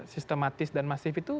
sistematis dan masif itu